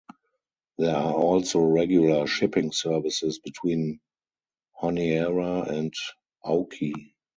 There are also regular shipping services between Honiara and Auki.